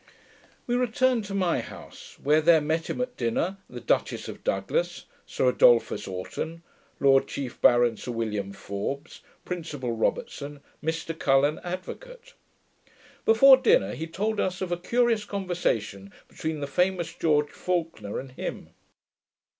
] We returned to my house, where there met him, at dinner, the Duchess of Douglas, Sir Adolphus Oughton, Lord Chief Baron, Sir William Forbes, Principal Robertson, Mr Cullen, advocate. Before dinner, he told us of a curious conversation between the famous George Faulkner and him.